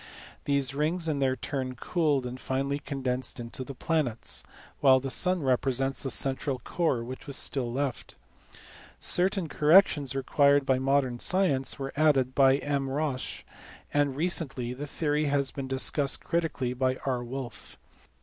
These rings in their turn cooled, and finally condensed into the planets, while the sun represents the central core which is still left. Certain corrections required by modern science were added by M. Roche, and recently the theory has been discussed critically by R. Wolf.